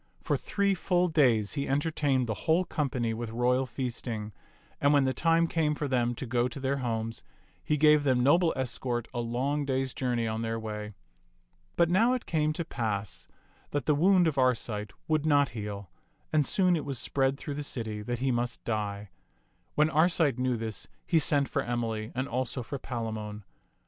For three full days he en tertained the whole company with royal feasting ; and when the time came for them to go to their homes, he gave them noble escort a long day's journey on their way. But now it came to pass that the wound of Arcite would not heal, and soon it was spread through the city that he must die. When Arcite knew this, he sent for Emily and also for Palamon.